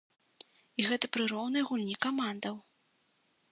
І гэта пры роўнай гульні камандаў.